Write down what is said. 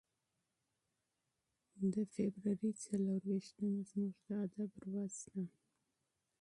د فبرورۍ څلور ویشتمه زموږ د ادب ورځ ده.